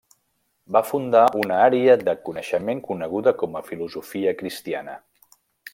Va fundar una àrea de coneixement coneguda com a filosofia cristiana.